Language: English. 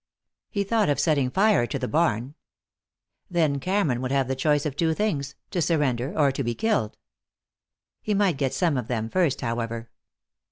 He thought of setting fire to the barn. Then Cameron would have the choice of two things, to surrender or to be killed. He might get some of them first, however.